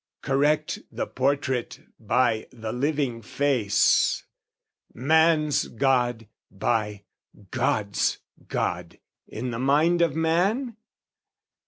Correct the portrait by the living face, Man's God, by God's God in the mind of man?